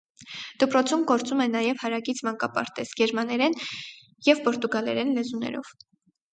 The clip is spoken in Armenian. Դպրոցում գործում է նաև հարակից մանկապարտեզ՝ գերմաներեն և պորտուգալերեն լեզուներով։